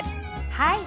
はい！